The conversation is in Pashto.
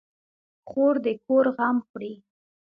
خور د کور غم خوري.